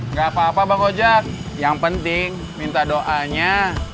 nggak apa apa bang ojek yang penting minta doanya